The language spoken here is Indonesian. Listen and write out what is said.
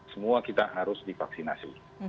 semua kita harus divaksinasi